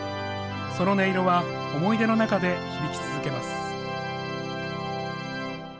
その音色は思い出の中で響き続けます。